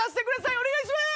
お願いします！